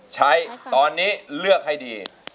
ใช้ตอนนี้เลือกให้ดี